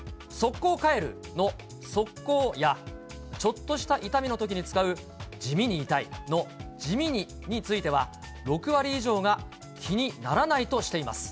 こう帰るの、そっこうや、ちょっとした痛みのときに使う、じみに痛いの、じみにについては、６割以上が気にならないとしています。